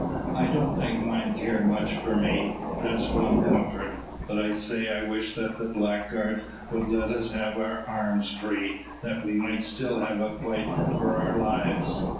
I don't think mine care much for me; that's one comfort. But I say, I wish that the blackguards would let us have our arms free, that we might still have a fight for our lives."